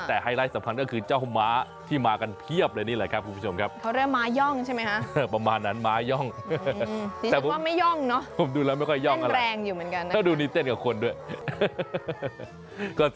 แต่ไฮไลท์สำคัญก็คือเจ้าม้าที่มากันเพียบเลยนี่แหละครับคุณผู้ชมครับ